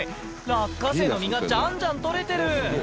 落花生の実がじゃんじゃん取れてる。